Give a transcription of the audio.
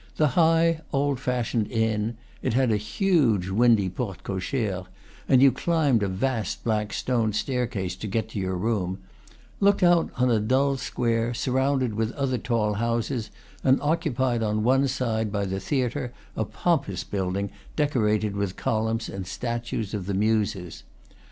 The high, old fashioned, inn (it had a huge, windy porte cochere, and you climbed a vast black stone staircase to get to your room) looked out on a dull square, sur rounded with other tall houses, and occupied on one side by the theatre, a pompous building, decorated with columns and statues of the muses.